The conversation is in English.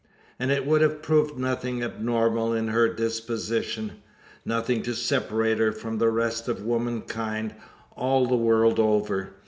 And it would have proved nothing abnormal in her disposition nothing to separate her from the rest of womankind, all the world over.